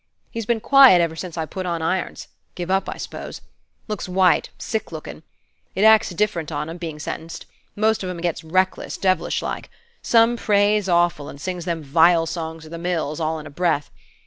He's been quiet ever since I put on irons: giv' up, I suppose. Looks white, sick lookin'. It acts different on 'em, bein' sentenced. Most of 'em gets reckless, devilish like. Some prays awful, and sings them vile songs of the mills, all in a breath.